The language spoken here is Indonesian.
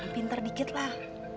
pinter dikit lah